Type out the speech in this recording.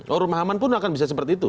orang rumah aman pun akan bisa seperti itu